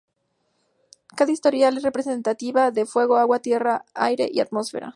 Cada historia es representativa de fuego, agua, tierra, aire y la atmósfera.